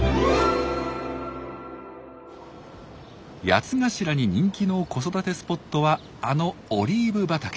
ヤツガシラに人気の子育てスポットはあのオリーブ畑。